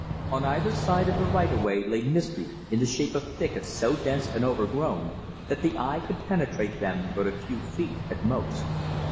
On either side of the right of way lay mystery in the shape of thickets so dense and overgrown that the eye could penetrate them but a few feet at most.